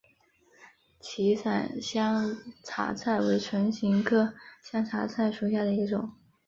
歧伞香茶菜为唇形科香茶菜属下的一个种。